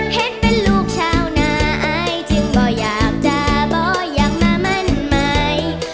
เห็นเป็นลูกชาวนาอายจึงบ่อยากจะบ่อยากมามั่นไหม